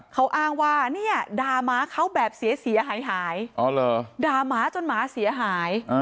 เขาอ้างว่าเนี่ยด่าหมาเขาแบบเสียหายด่าหมาจนหมาเสียหาย